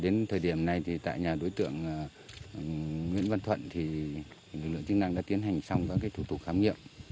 đến thời điểm này thì tại nhà đối tượng nguyễn văn thuận lực lượng chức năng đã tiến hành xong các thủ tục khám nghiệm